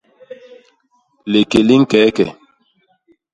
Liké li ñkeke.